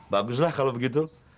baguslah kalau begitu